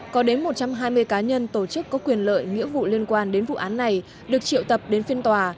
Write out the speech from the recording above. có đến một trăm hai mươi cá nhân tổ chức có quyền lợi nghĩa vụ liên quan đến vụ án này được triệu tập đến phiên tòa